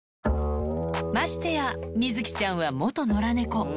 ましてや、みづきちゃんは元野良猫。